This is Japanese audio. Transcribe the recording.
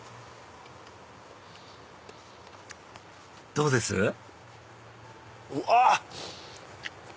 どうです？うわ！